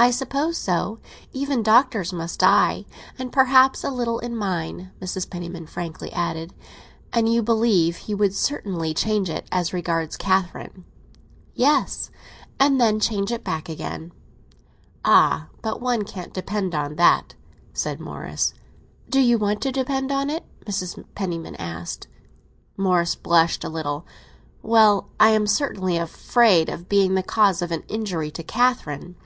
"I suppose so—even doctors must die; and perhaps a little in mine," Mrs. Penniman frankly added. "And you believe he would certainly change it—as regards Catherine?" "Yes; and then change it back again." "Ah, but one can't depend on that!" said Morris. "Do you want to depend on it?" Mrs. Penniman asked. Morris blushed a little. "Well, I am certainly afraid of being the cause of an injury to Catherine."